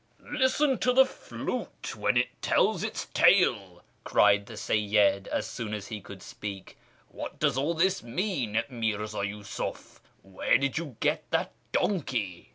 "' Listen to the flute when it tells its talc !'" cried the Seyyid, as soon as he could speak ;" what does all this mean, Mirza Yusuf ? Where did you get that donkey